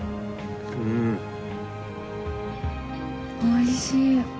おいしい。